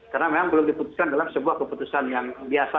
karena memang belum diputuskan dalam sebuah keputusan yang biasa